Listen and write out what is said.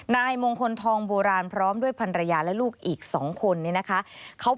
นายมงคลทองโบราณพร้อมด้วยภรรยาและลูกอีก๒คนนี้นะคะ